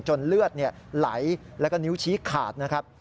เลือดไหลแล้วก็นิ้วชี้ขาดนะครับ